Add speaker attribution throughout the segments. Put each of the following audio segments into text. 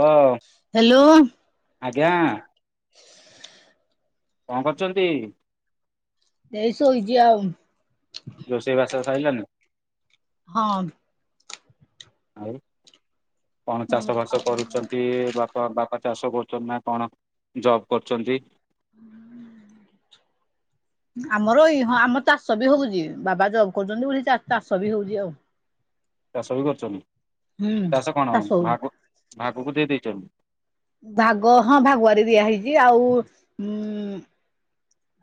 Speaker 1: ହ
Speaker 2: ହ୍ୟାଲୋ
Speaker 1: ଆଜ୍ଞା।
Speaker 2: [inaudible]
Speaker 1: କଣ କରୁଛନ୍ତି?
Speaker 2: ଏ ଶୋଇଛି ଆଉ।
Speaker 1: ପାଇିଲନି।
Speaker 2: ହଁ।
Speaker 1: ଆଉ କଣ
Speaker 2: ହଁ
Speaker 1: ଚାଷ ବାସ କରୁଛନ୍ତି ବାପ? କଣ ବାପା ଚାଷ କରୁଛନ୍ତି, ନା କଣ ଜବ କରୁଛନ୍ତି?
Speaker 2: ଆମର ଏଇ ହଁ ଆମର ଚାଷ ବି ହଉଛି, ବାବା ଜବ୍ କରୁଛନ୍ତି ବୋଲି ଚାଷ ବି ହଉଛି ଆଉ।
Speaker 1: ଚାଷ ବି କରୁଛନ୍ତି,
Speaker 2: ହୁଁ
Speaker 1: ଚାଷ କଣ ଭା ଭାଗ କୁ ଦେଇ ଦେଇେଇଛନ୍ତି।
Speaker 2: ଭାଗ ହଁ ଭାଗଆାରୀ ଦିଆ ହେଇଛି, ଆଉ ମ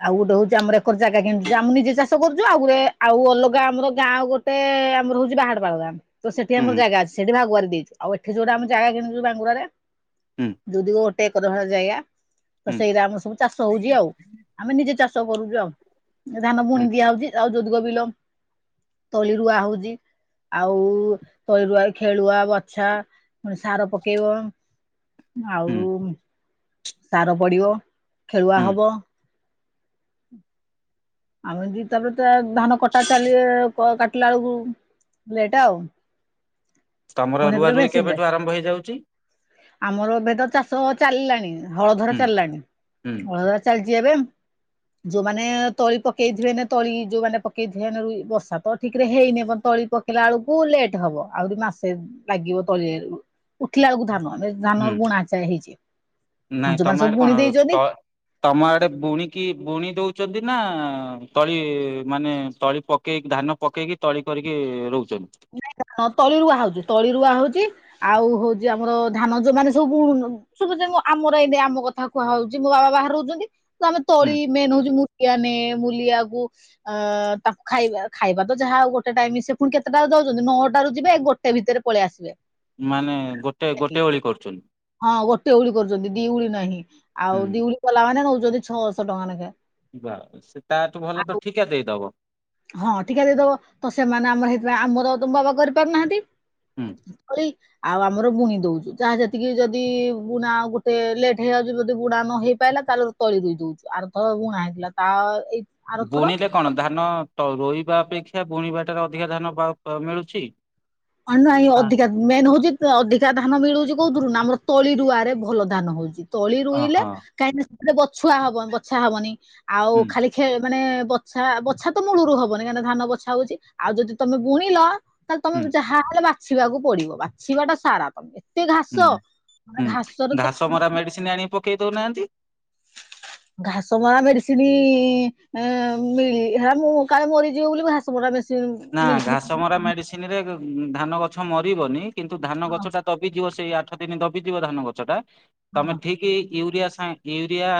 Speaker 2: ଆଉ ଗୋଟେ ହଉଛି ଆମର ଏକର ଜାଗା କିଣୁ ଆମେ ନିଜେ ଚାଷ କରୁଛୁ, ଆଉ ଗୋଟେ ଆଉ ଅଲଗା ଆମର ଗାଁ ଗୋଟେ ଆମର ରହୁଛି ବାହା ପାଳଦ ତ ସେଠି ଆମର
Speaker 1: ହୁଁ
Speaker 2: ଜାଗା ଅଛି, ସେଠି ଭାଗୁଆାର ଦେଇଛିୁ ଆଉ ଏଠି ଯୋଉଟା ଆମ ଜାଗା କିଣିଛୁ ବାଙ୍ଗୁରରେ
Speaker 1: ହୁଁ
Speaker 2: ଦୁଦିକୁ ଗୋଟେ ଏକର ଭଳି ଜାଗା ତ
Speaker 1: ହୁଁ
Speaker 2: ସେଇଟା ଆମର ସବୁ ଚାଷ ହଉଛି ଆଉ। ଆମେ ନିଜେ ଚାଷ କରୁଛୁ, ଆଉ ଧାନ ପୁଣି
Speaker 1: ହୁଁ
Speaker 2: ଦିଆହଉଛି ଆଉ ଯୌଦଗ ବିଲ। ତଳି ରୁଆ ହଉଛି। ଆଉ ତଳି ରୁଆ ଖେଳୁଆ ବଛା ସାର ପକେଇବ
Speaker 1: ହୁଁ
Speaker 2: ଆଉ
Speaker 1: ହୁଁ
Speaker 2: ସାର ପଡିବ ଖେଳୁଆ
Speaker 1: ହୁଁ
Speaker 2: ହବ [inaudible] ଆମେ ଦି ତାପରେ ତା ଧାନ କଟା ଚାଲେ କାଟିଲା ବେଳକୁ ଲେଟା ଆଉ।
Speaker 1: ତମର ରୁଆ
Speaker 2: ପୁଣିଥରେ
Speaker 1: ରୁଇ
Speaker 2: ମେସିଟେ
Speaker 1: କେବେଠୁ ଆରମ୍ଭ ହେଇଯାଉଛି
Speaker 2: ଆମର ଏବେ ତ ଚାଷ ତ ଚାଲିଲାଣି ହଳଧରା
Speaker 1: ହୁଁ
Speaker 2: ଚାଲିଲାଣି
Speaker 1: ହୁଁ
Speaker 2: ହଳଧରା ଚାଲିଛି ଏବେ ଯୋଉମାନେ ତଳି ପକେଇଥିବେ ନ ତଳି ଯୋଉମାନେ ପକେଇଥିବେ ର ଇ ବର୍ଷା ତ ଠିକରେ ହେଇନି ତ ତଳି ପକେଇଲା ବେଳକୁ ଲେଟ୍ ହବ ଆହୁରି ମାସେ ଲାଗିବ ତଳିରେ ଉଠିଲା ବେଳକୁ ଧାନ। ମାନେ
Speaker 1: ହୁଁ
Speaker 2: ଧାନର ଗୁଣ ଆଚାର ହେଇଛି।
Speaker 1: ନାଇଁ
Speaker 2: ଯୋଉମାନେ
Speaker 1: ତମ
Speaker 2: ସବୁ ବୁଣି
Speaker 1: କଣ
Speaker 2: ଦେଇଛନ୍ତି
Speaker 1: ତ ତମ ବୁଣିକି ବୁଣି ଦଉଛନ୍ତି ନା ତଳି ମାନେ ତଳି ପକେଇକି ଧାନ ପକେଇ ତଳି କରିକି ରହୁଛି।
Speaker 2: ତଳି ରୁଆ ହଉଛି ତଳି ରୁଆ ହଉଛି ଆଉ ହଉଛି ଆମର ଧାନ ଯୋ ମାନେ ସବୁ ସବୁଁ ଆମର ଏଇ ଆମ କଥା କୁହା ହଉଛି ମୋ ବାବା ବା ବା ରହୁଛନ୍ତି ଆମେ
Speaker 1: ହୁଁ
Speaker 2: ତଳି ମେନ୍ ହଉଛି ମୁଁ [unintelligible] ମୁଲିଆକୁ ଅ ତାକୁ ଖାଇବା ଖାଇବା ତ ଯାହା ହଉ ଗୋଟେ ଟାଇମ ସେ ପୁଣି କେ ତେଟାରୁ ଯାଉଉଛନ୍ତି ନଅଟାରୁ ଯିବେ ଗୋଟେ ଭିତରେ ପଳେଇ ଆସିବେ।
Speaker 1: ମାନେ ଗୋଟେ ଗୋଟେ ଓଳି କରୁଛନ୍ତି।
Speaker 2: ହଁ ଗୋଟେ ଉଳି କରୁଛନ୍ତି ଦିଉଳି ନାହିଁ ଆଉ
Speaker 1: ହୁଁ
Speaker 2: ଦିଉଳି କଲା ମାନେ ନଉଛନ୍ତି ଛଅଶହ ଟଙ୍କା ଲେଖା।
Speaker 1: ବା ସେ ତା ତୁ ଭଲ ତ
Speaker 2: ଆଉ
Speaker 1: ଠିକା ଦେଇଦବ।
Speaker 2: ହଁ ଠିକା ଦେଇଦବ ତ ସେମାନେ ଆମର ସେଇଥିପାଇଁ ଆମର ତ ବାବା କରିପାରୁନାହାନ୍ତି।
Speaker 1: ହୁଁ
Speaker 2: କରି ଆଉ ଆମର ବୁଣି ଦଉଛୁ ଯାହା ସେତିକି ଯଦି ବୁଣା ଗୋଟେ ଲେଟ୍ ହେଇଯାଉଛି ଯଦି ବୁଣା ନ ହେଇ ପାରିଲା ତାଲ ତଳି ରୁ ଦଉଛୁ ଆର ଥର ବୁଣା ହେଇଥିଲା ତା ଏଇ ଆରଥର
Speaker 1: ବୁଣିଲେ କଣ ଧାନ ତଳି ରୋଇବା ଅପେକ୍ଷା ବୁଣିବାଟାରେ ଅଧିକା ଧାନ ପା ମିଳୁଛି।
Speaker 2: ହ ନାଇଁ
Speaker 1: ନା
Speaker 2: ଅଧିକା ମେନ୍ ହଉଛି ଅଧିକା ଧାନ ମିଳୁଛି କୋଉଥିରୁ ନା ଆମର ତଳି ରୁଆରେ ଭଲ ଧାନ ହଉଛି ତଳି ରୁଇଲେ
Speaker 1: ଓହୋ
Speaker 2: କାହିଁକିନା ମାନେ ବଛା ହବ ବଛା ହବନି ଆଉ
Speaker 1: ହୁଁ
Speaker 2: ଖାଲି ଖେ ମାନେ ବଛା ବଛା ତ ମୂଳରୁ ହବନି କାହିଁକି ଧାନ ବଛା ହଉଛି ଆଉ ଯଦି ତମେ ବୁଣିଲ ତାହେଲେ
Speaker 1: ହୁଁ
Speaker 2: ତମେ ଯାହାହଲେ ବାଛିବାକୁ ପଡିବ ବାଛିବାଟା ସାରା ତମେ। ଏତେ ଘାସ
Speaker 1: ହୁଁ
Speaker 2: ମ
Speaker 1: ହୁଁ
Speaker 2: ଘାସରେ ତ
Speaker 1: ଘାସ ମରା ମେଡିସିନ ଆଣି ପକେଇ ଦଉ ନାହାନ୍ତି।
Speaker 2: ଘାସ ମରା ମେଡିସିନ ଉ ମିଳିଲେ ହେଲା ମୁଁ କାଳେ ମରିଯିବ ବୋଲି ଘାସ ମରା ମେଡ୍
Speaker 1: ନା ଘାସ ମରା ମେଡିସିନ ରେ ଧାନ ଗଛ ମରିବନି କିନ୍ତୁ ଧାନ
Speaker 2: ହଁ
Speaker 1: ଗଛ ଟା ଦବିଯିବ ସେଇ ଆଠ ଦିନ ଦବିଯିବ ଧାନ ଗଛ ଟା ତମେ
Speaker 2: ହଁ
Speaker 1: ଠିକ ୟୁରିଆ ସାଙ୍ଗ ୟୁରିଆ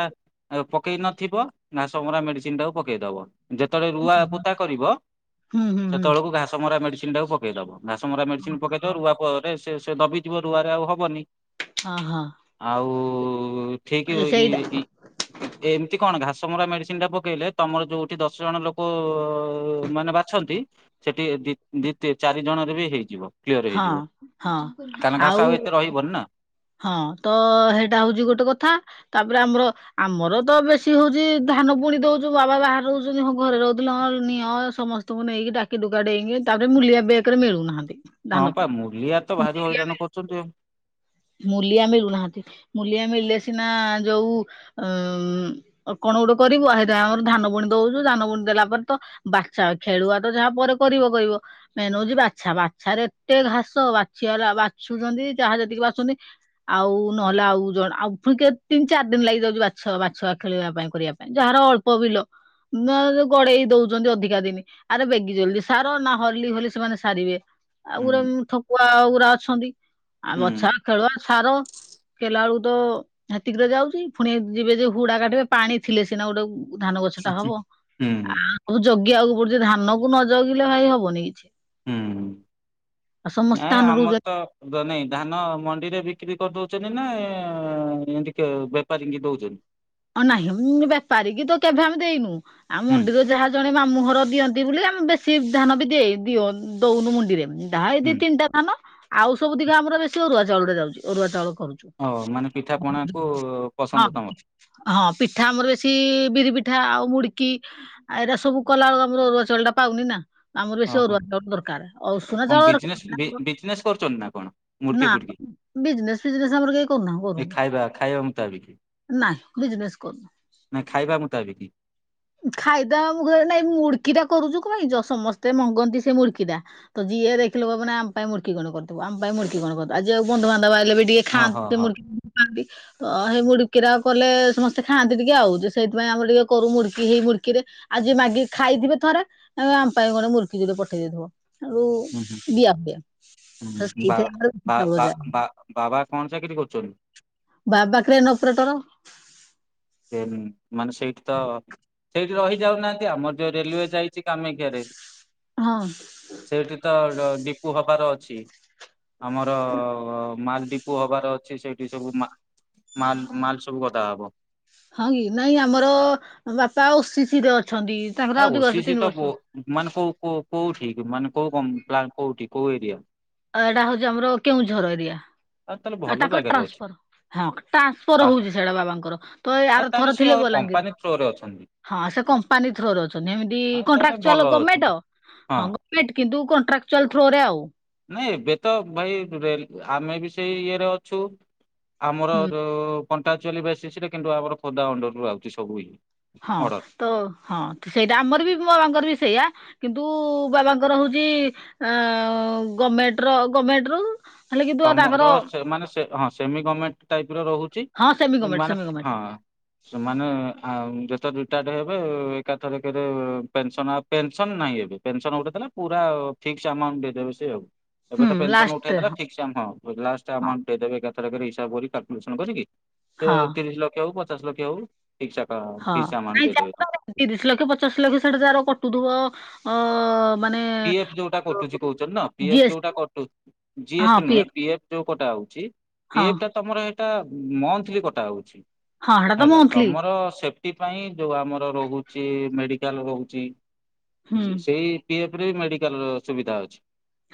Speaker 1: ପକେଇ ନଥିବ ଘାସସରା ମେଡିସିନ ଟାକୁ ପକେଇଦବ। ଯେତେବେଳେ ରୁଆ ପୋତା କରିବ
Speaker 2: ହୁଁ ହୁଁ ହୁଁ
Speaker 1: ସେତେବେଳକୁ ଘାସ ମରା ମେଡ଼ିସିନ ଟାକୁ ପକେଇଦବ। ଘାସ ମରା ମେଡ଼ିସିନ ପକାଇଦବ ରୁଆରେ ସେ ସେ ଦବିଥିବ ରୁଆରେ ଆଉ ହେବନି।
Speaker 2: ହଁ ହଁ।
Speaker 1: ଠିକ ଇ
Speaker 2: ସେଇଟା
Speaker 1: ଇ ଏମତି କଣ ଘାସ ମରା ମେଡ଼ିସିନ ଟା ପକେଇଲେ ତମର ଯୋଉଠି ଦଶ ଜଣ ଲୋକ ମାନେ ବାଛନ୍ତି ସେଇ ଟି ଦି ଚାରି ଜଣରେ ବି ହେଇଯିବ। କ୍ଲିୟର
Speaker 2: ହଁ
Speaker 1: ହେଇଯିବ
Speaker 2: ହଁ
Speaker 1: କାହିଁକିନା ଘାସ ଆଉ ଏତେ ରହିବନି ନା।
Speaker 2: ହଁ ତ ସେଇଟା ହଉଛି ଗୋଟେ କଥା ତାପରେ ଆମର ଆମର ତ ବେଶି ହଉଛି ଧାନ ପୁଣି ଦଉଛୁ ବାବା ବାହାରେ ରହୁଛନ୍ତି ଘରେ ରହୁଥିଲ ନିଅ ସମସ୍ତଙ୍କୁ ନେଇି ଡାକି ଡୁା ଡେଇକି ତାପରେ ମୂଲିଆ ବେକରେ ମିଳୁନାହାନ୍ତି। ଧାନ
Speaker 1: ହଁ ପା
Speaker 2: ପାଇଁ
Speaker 1: ମୂଲିଆ ତ ଭାରି ହଇରାଣ କରୁଛନ୍ତି ଆଉ।
Speaker 2: ମୁଲିଆ ମିଳୁନାହାନ୍ତି ମୂଲିଆ ମିଳିଲେ ସିନା ଯୋଉ ଉଁ ଅ କଣ କଣ ଗୋଟେ କରିବୁ ସେଇଟା ଆମର ମେ ହଉଛି ବାଛା ବାଛରେ ଏତେ ଘାସ ବା ବାଛୁଛନ୍ତି ଯାହା ଯେତିକି ଆଉ ନହେଲେ ଆଉ ଜଣ ଆଉୁଣି ତିନି ଚାରି ଦିନ ଲାଗି ଯାଉଛିଛ ବାଛ ଖେଳିବା ପାଇଁ। କରିବା ପାଇଁ ଯାହାର ଅଳ୍ପ ବିଲ। ଗଡେଇ ଦଉଛନ୍ତି ଅଧିକା ଦିନ ଆରେ ବେଗି ଜଲଦି ସାର ନା ହଲି ହୋଲି ସେମାନେ ସାରିବେ। ଆଉ ଗୁରା
Speaker 1: ହୁଁ
Speaker 2: ଠକୁଆ ଗୁୁରା ଅଛନ୍ତି ଆଉ
Speaker 1: ହୁଁ
Speaker 2: ବଛା ଖେଳଆ ସାର। କଲା ବେଳକୁ ତ ହେତିକିରେ ଯାଉଛି ପୁଣି ଯିବେ ଯେ ହୁଡା କାଟିବେ ପାଣି ଥିଲେ ସିନା ଗୋଟେ ଧାନଗଛ ଟା ହବ
Speaker 1: ହୁଁ
Speaker 2: ଆଉ ଜଗିବାକୁ ପଡୁଛି ଧାନ କୁ ନ ଜଗିଲେ ଭାଇ ହବନି କିଛି।
Speaker 1: ହୁଁ
Speaker 2: ଆଉ ସମସ୍ତେ
Speaker 1: ନାଇ
Speaker 2: ଧାନ
Speaker 1: ଆମର
Speaker 2: ରୋଉଛନ୍ତି
Speaker 1: ତ ନାଇଁ ଧାନ ଡିରେ ବିକ୍ରି କରିଦଉଛନ୍ତି ନା ଏମତି ବେପାରୀ ଦଉଛନ୍ତି।
Speaker 2: ହଁ ନହିଁ ମୁଁ ବେପାରୀ କି ତ କେବେ ଆମେ ଦେଇନୁ ଆଉ
Speaker 1: ହୁଁ
Speaker 2: ମଣ୍ଡିର ଯାହା ଜଣେ ମୁହଁର ଦିଅନ୍ତି ବୋଲି ଆମେ ବେଶୀ ଧ୍ୟାନ ବି ଦେଇ ଦିଅ ଦଉନୁ ମୁଣ୍ଡିରେ ଏଇ ଦି
Speaker 1: ହୁଁ
Speaker 2: ତିନିଟା ଧାନ ଆଉ ସବୁ ଦିିକ ଆମର ବେଶ ଅରୁଆ ଚାଉଳ ରେ ଯାଉଛି ଅରୁଆ ଚାଉଳକୁ ହଁ।
Speaker 1: ହଉ ମାନେ ପିଠା ପଣା କୁ ପସନ୍ଦ ତମର
Speaker 2: ହଁ ପିଠା ଆମର ବେଶି ବିରି ପିଠା ଆଉ ମୁଡିକି ଏଇଟା ସବୁ କଲା ଆମର ଅରୁଆ ପାଉନି ନା ଆମର ବେଶୀ
Speaker 1: ଓହୋ
Speaker 2: ଅରୁଆ ଚାଉଳ ଦରକାର ଉଷୁନା
Speaker 1: କଣ
Speaker 2: ଚାଉଳ
Speaker 1: ବିଜନେସ୍ ବି-
Speaker 2: ଦରକାର
Speaker 1: ବିଜନେସ୍ କରୁଛନ୍ତି ନା କଣ? ମୁଡ଼କି
Speaker 2: ନା
Speaker 1: ଫୁଡ଼କି
Speaker 2: ବିଜନେସ ଫିଜନେସ ଆମର କେହି କରୁନା
Speaker 1: ଏ
Speaker 2: କରୁନୁ।
Speaker 1: ଖାଇବା ଖାଇବା ମୁତାବିକି
Speaker 2: ନାଇଁ। [inaudible] ଭ
Speaker 1: ନା ଖାଇବା ମୁତାବିକି
Speaker 2: ସମସ୍ତେ ମଙ୍ଗନ୍ତି ସେ ମୁଡ଼କି ତ ଯିଏ ଦେଖିଲେ ଭବ ଆମ ପାଇଁ ମୁଡ଼କି କଣ କରୁଥିବୁ ଆମ ପାଇଁ ମୁଁ କଣ କଥା ଆଜି ଆଉ ବନ୍ଧୁବାନ୍ଧବ ଆସିଲେ ବି ଟିକେ ଖାଆ
Speaker 1: ହଁ ହଁ ହଁ
Speaker 2: କୀରା କଲେ ସମସ୍ତେ ଖାନ୍ତି ଟିକେ ଆଉ ସେଇଥିପାଇଁ ଆମ ଟିକେ କରୁ ମୁଡ଼କି ହେଇ ମୁଡ଼କି ଆଉ ଯିଏ ମାଗି ଖାଇ ଥିବେ ଥରେ ଆ ଆମ ପାଇଁ ଗଣେ ମୁଡ଼କି ଯଦି ପଠେଇ ଦେଇଥିବ ହେଟୁ
Speaker 1: ହୁଁ ହୁଁ
Speaker 2: ଦିଆ ହୁଏ। ତ
Speaker 1: ହୁଁ ବା
Speaker 2: ସେଇଥିରେ
Speaker 1: ବା
Speaker 2: ଆମର ଯାଏ।
Speaker 1: ବା ବାବା କଣ ଚାକିରି କରୁଛନ୍ତି?
Speaker 2: ବା ପାଖରେ ଏଇନେ ଅପରେଟର।
Speaker 1: ମାନେ ସେଇଠି ତ ସେଇ ରହି ଯାଉନାହାନ୍ତି ଆମର ଯୋଉ ରେଲୱେ ଯାଇଛି କାମାକ୍ଷା ରେ
Speaker 2: ହଁ।
Speaker 1: ଡିପୁ ହବାର ଅଛି ଆମର ମା ଡ଼ିପୁ ହବାର ଅଛି ସେଇଠି ସବୁ ମାଲ ସବୁ ଗଦା ହବ।
Speaker 2: ହଁ କି ନାଇଁ ଆମର ବାପା ଆ ଶିଶିର ଅଛି।
Speaker 1: ହ ଓସିି ସି ତ ମାନେ କୋଉ କୋଉଠି ମାନେ କୋଉ କ ପ୍ କୋଉଠି କୋଉ ଏରିଆ?
Speaker 2: ଆଉ ଏଇଟା ହଉଛି ଆମର କେଉଁଝର ଏରିଆ।
Speaker 1: ଆଉ ତାହେଲେ ଭଲ
Speaker 2: ତାଙ୍କର
Speaker 1: ଜାଗାରେ ଅଛି
Speaker 2: ଟ୍ରାନ୍ସଫର ହ ଟ୍ରାନ୍ସଫର ହଉଛି ସେଟା ବାବାଙ୍କର ତ ଏ
Speaker 1: ଆଉ
Speaker 2: ଆର
Speaker 1: ତାହେଲେ
Speaker 2: ଥର
Speaker 1: ସିଏ
Speaker 2: ଥିଲେ ବଲାଙ୍ଗୀର।
Speaker 1: କମ୍ପାନୀ ଥ୍ରୋ ରେ ଅଛନ୍ତି।
Speaker 2: ହଁ ସେ କମ୍ପାନୀ ଥ୍ରୋରେ ଅଛନ୍ତି ଏମିତି
Speaker 1: ହଁ ତାହେଲେ ଭଲ
Speaker 2: କଣ୍ଟ୍ରାକ୍ଚୁଆଲ
Speaker 1: ଅଛି
Speaker 2: ଗଣମେଣ୍ଟ ଆଉ ହଁ ମ କିନ୍ତୁ କଣ୍ଟ୍ରାଚୁଆଲ ଥ୍ରୋ ରେ ଆଉ
Speaker 1: ନାଇଁ ଏବେ ତ ଭାଇରେ ଆମେ ବି ସେଇ ଇଏରେ ଅଛୁ ଆମର
Speaker 2: ହୁଁ
Speaker 1: କଣ୍ଟାଚୁଲି ବେସିସି ରେ କିନ୍ତୁ ଆମର ଖୋର୍ଦ୍ଧା ଅଣ୍ଡରୁ ଆଉଛି ସବୁ
Speaker 2: ହଁ
Speaker 1: ଅର୍ଡର।
Speaker 2: ତ ହଁ ସେଇଟା ଆମର ବି ମୋ ବାବାଙ୍କର ବି ସେଇଆ କିନ୍ତୁ ବାବାଙ୍କର ହେଉଛି ଗଭର୍ଣ୍ଣମେଣ୍ଟର ଗଭର୍ଣ୍ଣମେଣ୍ଟରୁ ହେଲେ କିନ୍ତୁ ତାଙ୍କର
Speaker 1: ତମର ସେ ମାନେ ହଁ ସେମି ଗଭର୍ମେଣ୍ଟ ଟାଇପ ର ରହୁଛି
Speaker 2: ହଁ ସେମି ଗଭର୍ଣ୍ଣମେଣ୍ଟ
Speaker 1: ସେମାନେ
Speaker 2: ସେମି
Speaker 1: ହଁ
Speaker 2: ଗଭର୍ଣ୍ଣମେଣ୍ଟ
Speaker 1: ସେମାନେ ଯେତେ ଏକାଠେ ହେବେ ଏକାଥର କରେ ପେନସନ ନାଇଁ ଏବେ ପେନସନ ଉଠେଇ ଦେଲା ପୁରା ଫିକ୍ସ ଆମାଉଣ୍ଟ ଦେଇବେ ସେ ଆଉ ଏବେ
Speaker 2: ହୁଁ
Speaker 1: ତ ପେନସନ
Speaker 2: ଲାଷ୍ଟ
Speaker 1: ଉଠେଇ ଦେଲା
Speaker 2: ହଁ
Speaker 1: ଲାଷ୍ଟ ଏମାଉନ୍ଟ ଦେଇଦେବେ। ହିସାବ କରିକି କଲକୁଲେସନ କରିକି
Speaker 2: ହଁ
Speaker 1: ତିରିଶ ଲକ୍ଷ ହଉ ପଚାଶ ଲକ୍ଷ ହଉ ଫିକ୍ସ ଆକା
Speaker 2: ହଁ
Speaker 1: ଫିକ୍ସ ଆମାଉଣ୍ଟ
Speaker 2: ନାଇଁ
Speaker 1: ଦେଇଦେବେ ତମକୁ।
Speaker 2: ତାର ତିରିଶ ଲକ୍ଷ ପଚାଶ ଲକ୍ଷ ସେଟା ତାର କଟୁଥିବ ଅ ମାନେ
Speaker 1: ପି ଏଫ ଯୋଉଟା କଟୁଛି କହୁ ନା ପିଏଫ
Speaker 2: ଜିଏସଟି
Speaker 1: ଯୋଉଟା ଯି ଏସ
Speaker 2: ହଁ
Speaker 1: ଟି ନୁହଁ
Speaker 2: ପିଏଫ
Speaker 1: ପି ଏଫ ଯୋଉଁ କଟା ହଉଛି ପି
Speaker 2: ହଁ
Speaker 1: ଏଫ ତମର ହେଇଟା ମଂଥଲି କଟା ହଉଛି
Speaker 2: ହଁ ହେଟା ତ
Speaker 1: ହେଲା
Speaker 2: ମନ୍ଥଲି
Speaker 1: ତମର ସେ ସେଥିପାଇ ଯୋଉ ଆମର ରହୁଛି ମେଡିକାଲ ରହୁଛି
Speaker 2: ହୁଁ
Speaker 1: ସେଇ ପି ଏଫ ମେଡିକାଲ ସୁବିଧା ଅଛି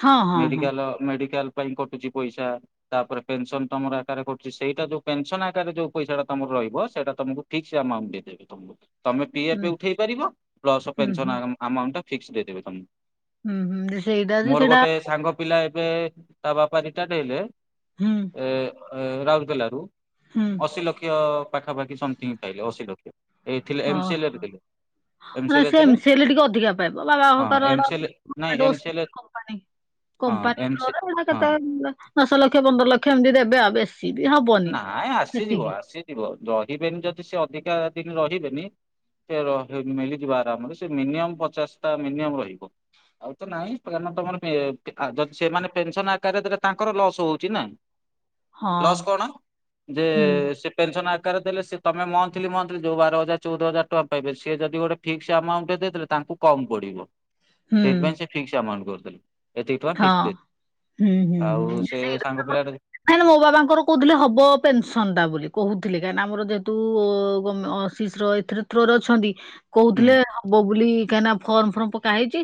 Speaker 2: ହଁ ହଁ ହଁ
Speaker 1: ମେଡ଼ିକାଲ ମେଡ଼ିକାଲ କଟୁଛି ପଇସା ତାପରେ ପେନସନ ତମର ଆକାରରେ କଟୁଛି ସେଇଟା ଯୋଉ ପେନସନ ଆକାରରେ ଯୋଉ ପଇସା ଟା ତମର ରହିବ ସେଇଟା ତମକୁ ଫିକ୍ସ ଆମାଉଣ୍ଟ ଦେଇଦେବେ ତମକୁ ତମେ
Speaker 2: ହୁଁ
Speaker 1: ପିଏଫ ଉଠେଇ ପାରିବ ପ୍ଲସ
Speaker 2: ହୁଁ ହୁଁ
Speaker 1: ପେନସନ ଆମାଉଣ୍ଟ ଟା ଫିକ୍ସ ଦେଇଦେବେ ତମକୁ
Speaker 2: ହୁଁ ହୁଁ ଯେ ସେଇଟା ଯେ
Speaker 1: ମୋର
Speaker 2: ସେଇଟା
Speaker 1: ଗୋଟେ ସାଙ୍ଗ ପିଲା ଏବେ ତା ବାପା ରିଟାଡ଼ ହେଲେ
Speaker 2: ହୁଁ
Speaker 1: ଏ ରାଉରକେଲାରୁ
Speaker 2: ହୁଁ
Speaker 1: ଅଶୀ ଲକ୍ଷ ପାଖାପାଖି ସମଥିଙ୍ଗ ପାଇଲେ ଅଶୀ ଲକ୍ଷ। ଏ ଥିଲେ ଏମସି
Speaker 2: ଓହୋ
Speaker 1: ଥିଲେ
Speaker 2: ମାନେ
Speaker 1: ଏସିଲ
Speaker 2: ସେ
Speaker 1: ଥିଲେ
Speaker 2: ଏମସି ହେଲେ ଟିକେ ଅଧିକା ପାଇବ ବାବା
Speaker 1: ହଁ
Speaker 2: ହକାର
Speaker 1: ଏମ ସି ନାଇଁ ଏମସିଏଲ।
Speaker 2: କମ୍ପାନୀରେ କେତେ ଦଶ ଲକ୍ଷ ପନ୍ଦର ଲକ୍ଷ ଏମିତି ଦେବେ ଆଉ ବେଶ
Speaker 1: ନାଇ ଆସିଯିବ ଆସିଯିବ ରହିବେନି ଯଦି ସେ ଅଧିକା ଦିନ ରହିବେନି ସେ ମିଳିଯିବ ଆରାମରେ ସେ ମିନିମମ୍ ପଚାଶ ଟା ମିନିମମ୍ ରହିବ। ଆଉ ତ ନାଇଁ କାର ତମର ଯ ସେମାନେ ପେନସନ ଆକାର ତାଙ୍କର ଲସ ହଉଛି ନା।
Speaker 2: ହଁ।
Speaker 1: ଲସ୍ କଣ? ଯେ
Speaker 2: ହୁଁ
Speaker 1: ସେ ପନ ପେନସନ କାରରେ ଦେଲେମେ ମଥଲି ମଥଲି ଯୋଉ ବାର ହଜାର ଚଉଦ ହଜାର ଟଙ୍କା ପାଇବେ ସେ ଯଦି ଗୋଟେ ଫିକ୍ସ ଆମାଉଣ୍ଟ ତାଙ୍କୁ କମ ପଡିବ
Speaker 2: ହୁଁ
Speaker 1: ସେଥିପାଇ ସେ ଫିକସମାଉ କରିଥିଲେ।
Speaker 2: ହଁ ହୁଁ ହୁଁ
Speaker 1: ଆଉ
Speaker 2: ହୁଁ
Speaker 1: ସେ ସାଙ୍ଗ ପିଲାଟା
Speaker 2: ସେ ମୋ ବାବାଙ୍କର କହୁଥିଲେ ହବ। ବ ପେନସନଟା ବୋଲି କହୁଥିଲି କାହିଁ ଆମର ଯେହେତୁ ଅ ର ଏଥିରେ ଥ୍ରୋର ଅଛନ୍ତି।
Speaker 1: ହୁଁ।
Speaker 2: କହୁଥିଲେ ହବ ବୋଲି କାହିଁକିନା ଫର୍ମ ଫର୍ମ ପକା ହେଇଛି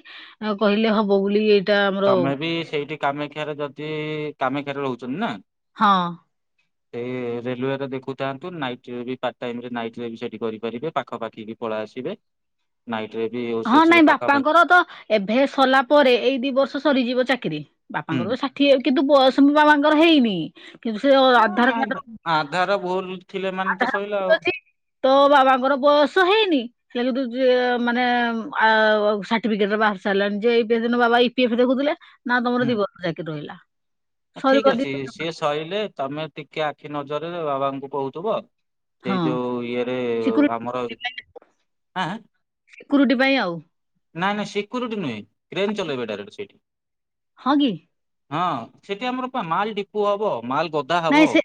Speaker 2: କହିଲେ ହବ ବୋଲି ଏଇଟା। ଆମର
Speaker 1: ତମେ ବି ସେଇଠି କାମାକ୍ଷାରେ ଯଦି କାମାକ୍ଷାରେ ରହୁଚନ୍ତି ନା?
Speaker 2: ହଁ।
Speaker 1: ଏ ରେଲୱେରେ ଦେଖୁଥାନ୍ତୁ, ନାଇଟ୍ ରେ ବି ପାର୍ଟ ଟାଇମ ରେ ନାଇଟ୍ ବି ସେଠି କରିପାରିବେ। ପାଖପାଖି ହି ପଳା ଆସିବେ ନାଇ
Speaker 2: ହଁ ନାଇଁ ବାପାଙ୍କର ତ ଏଭେ ସରିଲା ପରେ ଏଇ ଦି ବର୍ଷ ସରିଯିବ ଚାକିରି। ବାପାଙ୍କର
Speaker 1: ହୁଁ
Speaker 2: ତ ଷାଠିଏ କିନ୍ତୁ ବୟସ ମୋ ବାବାଙ୍କର ହେଇନି। କିନ୍ତୁ ସିଏ ଆଧାର
Speaker 1: ଆ-
Speaker 2: କାର୍ଡ
Speaker 1: ଆଧାର ଭୁଲ ଥିଲେ ମାନେ ତ
Speaker 2: ଆଧାର
Speaker 1: ସଇଲା
Speaker 2: ଭୁଲ
Speaker 1: ଆଉ।
Speaker 2: ଅଛି। ତ ବାବାଙ୍କର ବୟସ ହେଇନି ହେଲେ କିନ୍ତୁ ରେ ମାନେ ଆ-ଆଉ ସାଟିଫିକେଟ ତ ବାହାରି ସାରିଲାଣି ଯେ ଏଇ କେଇ ଦିନ ବାବା ଇ ପି ଏଫ ଦେଖୁଥିଲେ। ନା ତମର
Speaker 1: ହୁଁ
Speaker 2: ଦି ବର୍ଷ ଚାକିରି ରହିଲା। ସରିବ
Speaker 1: ଠିକ
Speaker 2: ଦି
Speaker 1: ଅଛି
Speaker 2: ତିନି
Speaker 1: ସିଏ ସଇଲେ ତମେ ଟିକେ ଆଖି ନଜରରେ ବାବାଙ୍କୁ କହୁଥିବ।
Speaker 2: ହଁ
Speaker 1: ସେଇ ଯୋଉ ଇଏରେ
Speaker 2: ସିକ୍ୟୁରି
Speaker 1: ଆମର ଆଁ ଆଁ
Speaker 2: ତୁଟି ପାଇଁ ଆଉ।
Speaker 1: ନା ନା ସିକୁରିଟି ନୁହେଁ ଟ୍ରେନ୍‌ ଚଲେଇବେ ଡାଇରେକ୍ଟ ସେଇଠି।
Speaker 2: ହଁ କି?
Speaker 1: ହଁ ସେଠି ଆମର ପା ମାଲ ଡିପୁ ହବ ମାଲ ଗଦା ହବ।
Speaker 2: ନାଇଁ ସେ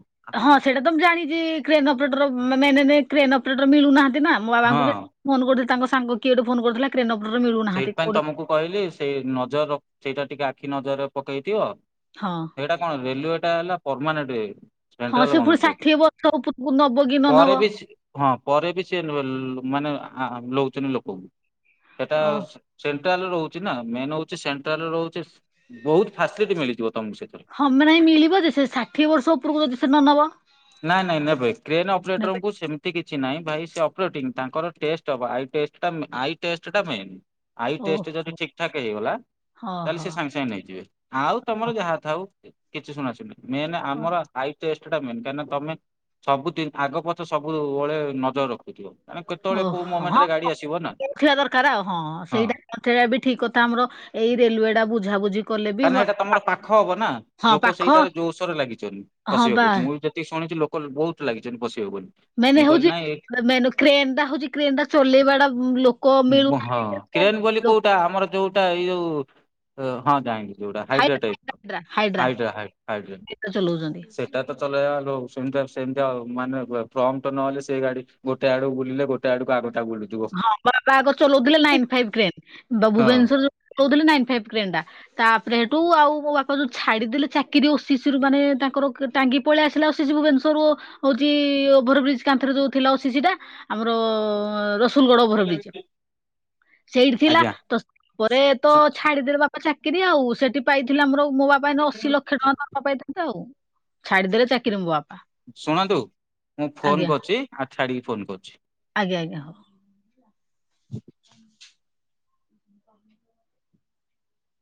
Speaker 2: ହଁ ସେଇଟା ତ ମୁଁ ଜାଣିଚି କ୍ରେନ ଅପରେଟର ମେନ ଏନେ କ୍ରେନ ଅପରେଟର ମିଳୁନାହାଁନ ଦି ନା ମୋ ବାବାଙ୍କୁ ବି
Speaker 1: ହଁ
Speaker 2: ଫୋନ କରୁଥିଲେ ତାଙ୍କ ସାଙ୍ଗ କିଏ ଗୋଟେ ଫୋନ କରୁଥିଲା କ୍ରେନ। ଅପରେଟର ମିଳୁନାହାନ୍ତି
Speaker 1: ସେଇଥିପାଇଁ
Speaker 2: କୋଉଠି
Speaker 1: ତମକୁ କହିଲି ସେଇ ନଜର ରଖ୍ ସେଇଟା ଟିକେ ଆଖି ନଜରରେ ପକେଇଥିବ।
Speaker 2: ହଁ
Speaker 1: ସେଇଟା କଣ ରେଲୱେଟା ହେଲା ପରମାନେଟ୍।
Speaker 2: ହଁ
Speaker 1: ସେଣ୍ଟ୍ରାଲ
Speaker 2: ସେ ପୁଣି
Speaker 1: ଗମେଣ୍ଟ ଚାକିରି
Speaker 2: ଷାଠିଏ ବର୍ଷ ଉପରକୁ ନବ କି ନ
Speaker 1: ପରେ
Speaker 2: ନବ
Speaker 1: ବି ସ୍ ହଁ ପରେ ବି ସେ ଲ ମାନେ ହଁ ଲଉଚନ୍ତି ଲୋକଙ୍କୁ ସେଟା
Speaker 2: ଓ
Speaker 1: ସେ ଟ୍ରାଲ ରହୁଚି ନା ମେନ ହଉଚି ସେଣ୍ଟ୍ରାଲ ରହୁଚି ସି ବହୁତ ଫାସିଲିଟ୍ ମିଳି ଯିବ।
Speaker 2: ହଁ ମ ନାଇଁ ମିଳିବ ଯେ ସେ ଷାଠିଏ ବର୍ଷ ଓପରକୁ ଯଦି ସେ ନ ନବ?
Speaker 1: ନାଇଁ ନାଇଁ ନେବେ କ୍ରେନ
Speaker 2: ନେବେ
Speaker 1: ଅପରେଟ୍ରଙ୍କୁ ସେମିତି କିଛି ନାଇଁ ଭାଇ ସଵ୍ ତାଙ୍କର ଟିମ୍ ତାଙ୍କର ଟେଷ୍ଟ ହବ ଆଇ ଚେଷ୍ଟ ଟା ମେ ଆଇ ଟେଷ୍ଟ ଟା ମେନ୍। ଆଇ ଟେଷ୍ଟ ଯଦି
Speaker 2: ଓହୋ
Speaker 1: ଠିକ ଠାକ ହେଇଗଲା
Speaker 2: ହଁ
Speaker 1: ତା ହେଲେ
Speaker 2: ହଁ
Speaker 1: ସେ ସାଙ୍ଗେ ସାଙ୍ଗେ ନେଇଯିବେ। ଆଉ ତମର ଯାହା ଥାଉ। କିଛି ଶୁଣା ଶୁଣି ନାଇଁ ମେନ ଆମର ଆଇ ଟେଷ୍ଟ ଟା ମେନ୍ କାଇଁନା ତମେ ସବୁଦିନ ଆଗ ପଛ ସବୁ ଓଳେ ନଜର ରଖ୍ ମାନେ କେତବେଳେ କୋଉ ମୋମେଣ୍ଟରେ ଗାଡି ଆସିବ? ନା।
Speaker 2: ଥିବା ଦରକାର ଆଉ ହଁ ସେଇଟା ନ ଥିଲା ବି ଠିକ କଥା ଆମର ଏଇ ରେଲୱେ ଟା ବୁଝାବୁଝି କଲେ ବି
Speaker 1: କାହିଁ ନା
Speaker 2: ମ-
Speaker 1: ସେଇଟା ତମର ପାଖ ହବ ନା,
Speaker 2: ହଁ
Speaker 1: ଲୋକ
Speaker 2: ପାଖ
Speaker 1: ସେଇଟା ରେ ଜୋରସୋରେ ଲାଗିଚନ୍ତି
Speaker 2: ହଁ
Speaker 1: ପଶିବେ
Speaker 2: ବା
Speaker 1: ବୋଲି ମୁଁ ବି ଯେତିକି ଶୁଣିଚି ଲୋକ୍ କ ବହୁତ ଲାଗିଚନ୍ତି ପଶି
Speaker 2: ମାନେ ହଉଛି ମେନ କ୍ରେନ ଟା ହଉଛି କ୍ରେନ ଟା ଚଲେଇ ବାଟା ଲୋକ ମିଳୁ
Speaker 1: ହଁ କ୍ରେନ୍ ବୋଲି କୋଉଟା ଆମର ଯୋଉଟା ଏଇ ଯୋଉ ହଁ ଯାଇଲି। ଯୋଉଟା ହାଇଡ୍ରା ଟାଇପ ହାଇଡ୍ରା ହାଇଡ୍ରା ସେଟା ତ ଚଲେଇବା ସେମତି ସେମିତି ଆଉ ମାନେ ଫ୍ରମ୍ପ ଟ ନହେଲେ ସେଇ ଗାଡି ଗୋଟେ ଆଡକୁ ବୁଲିଲେ ଗୋଟେ ଆଡକୁ ଆଗ
Speaker 2: ହଁ ବାବା ଆଗ ଚଲଉଥିଲେ ନାଇନ ଫାଇଭ କ୍ରେନ ତ
Speaker 1: ହଁ
Speaker 2: ଭୁବନେଶ୍ୱରରେ ଚଲଉଥିଲେ ନାଇ ଫାଇଭ୍ କ୍ରେନ ଟା। ତାପରେ ଏଠୁ ଆଉ ମୋ ବାପା ଯୋଉ ଛାଡିଦେଲେ ଚାକିରି ଓ ଶିଶିର ମାନେ ତାଙ୍କର ଟାଙ୍ଗି ପଳେଇ ଆସିଲା ସେ ଭୁବନେଶ୍ଵରରୁ ହଉଛି ଓଭରବ୍ରିଜ କାନ୍ଥରେ ଥିଲା ଓସିସି ଟା ଆମର ସୁଲୁଗଡ ଓଭର ବ୍ରିଜ ସେଇଠି ଥିଲା
Speaker 1: ଆଜ୍ଞା
Speaker 2: ତ ପରେ ତ
Speaker 1: ଶୁ-
Speaker 2: ଛାଡ଼ିଦେଲେ ବା ଚାକିରି ଆଉ ସେଠି ପାଇଥିଲା ଆମର ମୋ ବାପା ଅଇନା ଅଶୀ ଲକ୍ଷ ଟଙ୍କା ବାପା ପାଇଥାନ୍ତେ ଆଉ ଛାଡ଼ିଦେଲେ ଚାକିରି ମୋ ବାପ
Speaker 1: ଶୁଣନ୍ତୁ ମୁଁ ଫୋନ କରୁଛି ଆଉ ଛାଡିକି ଫୋନ କରୁଛି।
Speaker 2: ଆଜ୍ଞା ଆଜ୍ଞା ହଉ।